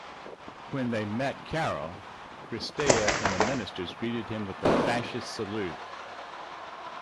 When they met Carol, Cristea and the ministers greeted him with the Fascist salute.